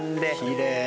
きれい。